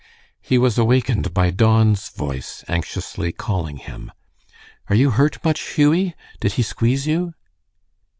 He was awakened by Don's voice anxiously calling him. "Are you hurt much, Hughie? Did he squeeze you?"